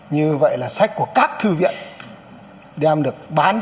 chính quyền thành phố